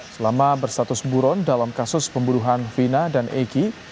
selama berstatus buron dalam kasus pembunuhan vina dan egy